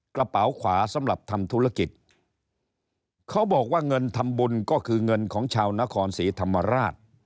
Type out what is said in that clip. กระเป๋าขวาสำหรับทำธุรกิจเขาบอกว่าเงินทำบุญก็คือเงินของชาวนครศรีธรรมราช